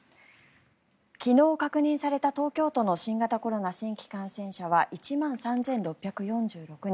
昨日確認された東京都の新型コロナ新規感染者は１万３６４６人。